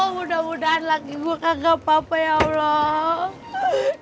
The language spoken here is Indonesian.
mudah mudahan laki gue kagak apa apa ya allah